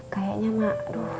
kayaknya mah aduh mahaanya